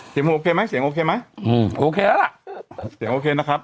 โอเคไหมเสียงโอเคไหมอืมโอเคแล้วล่ะเสียงโอเคนะครับ